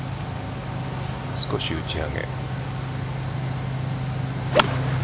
少し打ち上げ。